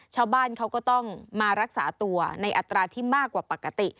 ชาวบ้านเขาก็ต้องมารักษาตัวในอัตราที่มากกว่าปกติ